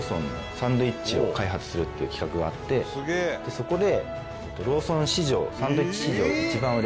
そこで。